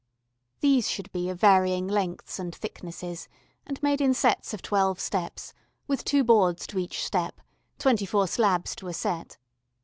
These should be of varying lengths and thicknesses and made in sets of twelve steps, with two boards to each step, twenty four slabs to a set.